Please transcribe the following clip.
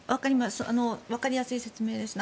わかりやすい説明です。